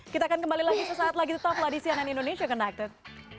kita akan kembali lagi sesaat lagi tetaplah di cnn indonesia connected